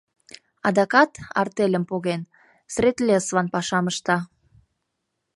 Адакат, артельым поген, Средлеслан пашам ышта.